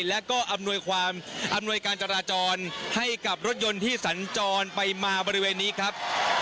และก็อำนวยความอำนวยการจราจรให้กับรถยนต์ที่สัญจรไปมาบริเวณนี้ครับ